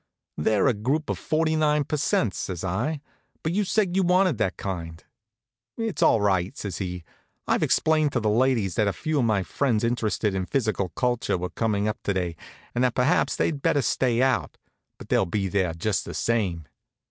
"They're a group of forty nine per cents.," says I; "but you said you wanted that kind." "It's all right," says he. "I've explained to the ladies that a few of my friends interested in physical culture were coming up to day, and that perhaps they'd better stay out; but they'll be there just the same."